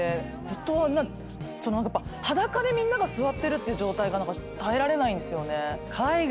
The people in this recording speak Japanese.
ずっとやっぱ裸でみんなが座ってるという状態が何か耐えられないんですよね。